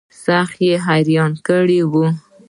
سخت يې حيران کړى وم.